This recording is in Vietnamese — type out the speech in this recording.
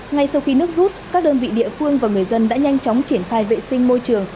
ngay sau khi nước rút các đơn vị địa phương và người dân đã nhanh chóng triển khai vệ sinh môi trường